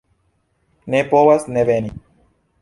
Ne povas ne veni.